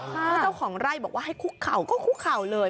เพราะเจ้าของไร่บอกว่าให้คุกเข่าก็คุกเข่าเลย